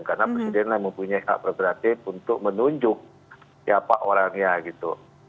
karena presiden mempunyai hak berarti untuk menunjuk siapa orangnya gitu